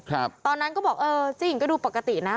ครับตอนนั้นก็บอกเออเจ๊หญิงก็ดูปกตินะ